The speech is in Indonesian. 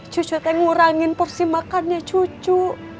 cucu saya ngurangin porsi makannya cucu